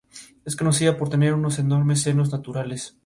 Es conocida por tener unos enormes senos naturales.